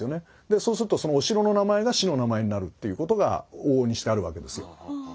そうするとそのお城の名前が市の名前になるっていうことが往々にしてあるわけですよ。